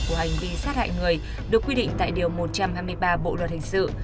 của hành vi sát hại người được quy định tại điều một trăm hai mươi ba bộ luật hình sự